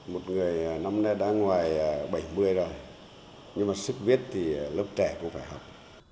một người năm nay đã ngoài bảy mươi rồi nhưng mà sức viết thì lớp trẻ cũng phải học